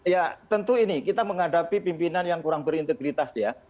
ya tentu ini kita menghadapi pimpinan yang kurang berintegritas ya